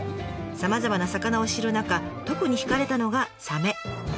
さまざまな魚を知る中特に惹かれたのがサメ。